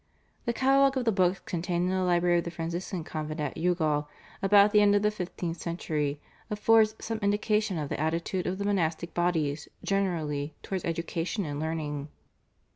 The catalogue of the books contained in the library of the Franciscan convent at Youghal about the end of the fifteenth century affords some indication of the attitude of the monastic bodies generally towards education and learning.